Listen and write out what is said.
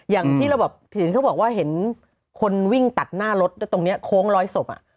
อย่างที่เราแบบเห็นเขาบอกว่าเห็นคนวิ่งตัดหน้ารถตรงนี้โค้งร้อยศพ